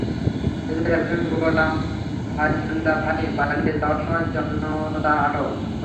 এদের একজন গোলাম ফাইজুল্লাহ ফাহিম পালিয়ে যাওয়ার সময় জনতা আটক করে।